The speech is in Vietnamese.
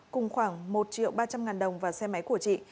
cùng khoảng một triệu ba trăm linh ngàn đồng và xe máy của chị